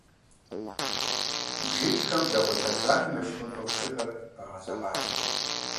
БжыкӀхэм благъуэ лъэбжьанэм ещхь мывэ фӀыцӀэхэр пагъэзэгъащ.